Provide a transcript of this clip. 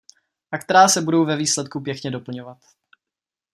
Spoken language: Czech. A která se budou ve výsledku pěkně doplňovat.